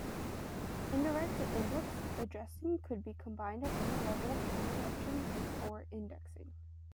Indirect and indexed addressing could be combined at any level of indirection or indexing.